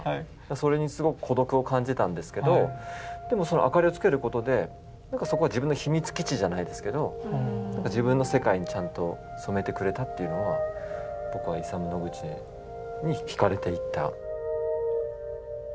それにすごく孤独を感じてたんですけどでもそのあかりをつけることでそこは自分の秘密基地じゃないですけど自分の世界にちゃんと染めてくれたっていうのは僕がイサム・ノグチに惹かれていった。